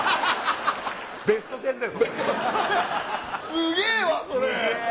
すげえわそれ！